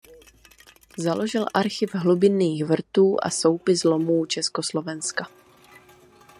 Založil archiv hlubinných vrtů a soupis lomů Československa.